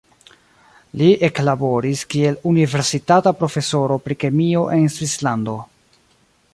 Li eklaboris kiel universitata profesoro pri kemio en Svislando.